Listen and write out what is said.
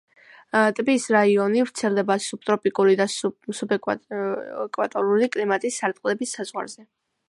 ტბის რაიონი ვრცელდება სუბტროპიკული და სუბეკვატორული კლიმატის სარტყლების საზღვარზე.